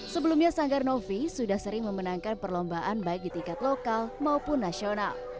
sebelumnya sanggar novi sudah sering memenangkan perlombaan baik di tingkat lokal maupun nasional